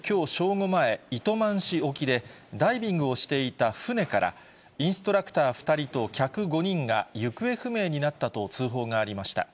午前、糸満市沖でダイビングをしていた船から、インストラクター２人と客５人が行方不明になったと通報がありました。